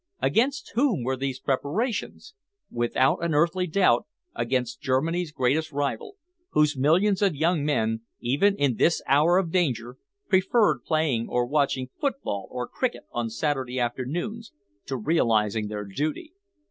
Against whom were these preparations? Without an earthly doubt against Germany's greatest rival, whose millions of young men, even in this hour of danger, preferred playing or watching football or cricket on Saturday afternoons to realising their duty.